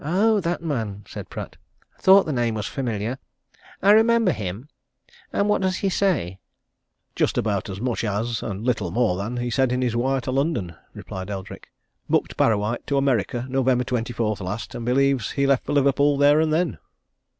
"Oh, that man!" said Pratt. "Thought the name was familiar. I remember him. And what does he say?" "Just about as much as and little more than he said in his wire to London," replied Eldrick. "Booked Parrawhite to America November 24th last, and believes he left for Liverpool there and then."